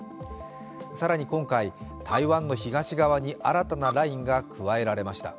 更に今回、台湾の東側に新たなラインが加えられました。